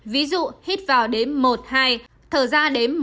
ví dụ hít vào đến một hai thở ra đến một hai ba bốn